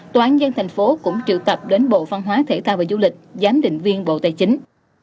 tòa nhân tp cũng triệu tập đến bộ phan hóa thể tạo và du lịch giám định viên bộ tài chính